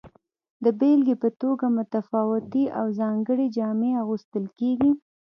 د بیلګې په توګه متفاوتې او ځانګړې جامې اغوستل کیږي.